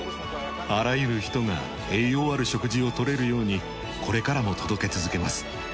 あらゆる人が栄養ある食事を取れるようにこれからも届け続けます。